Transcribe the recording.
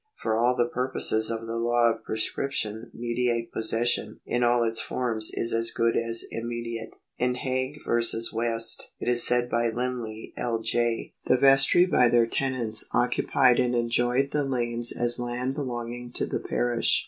For all the pur poses of the law of j^rescription mediate possession in all its forms is as good as immediate. In Haig v. West ^ it is said by Lindley, L. J. :" The vestry by their tenants occupied and enjoyed the lanes as land belonging to the parish.